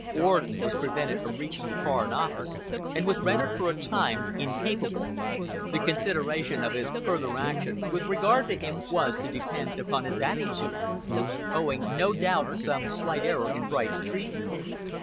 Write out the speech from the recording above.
Orden was prevented from reaching the Foreign Office and was rendered for a time incapable. The consideration of our further action with regard to him was to depend upon his attitude. Owing, no doubt, to some slight error in Bright's treatment.